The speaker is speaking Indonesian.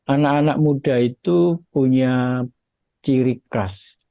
anak anak muda itu punya ciri khas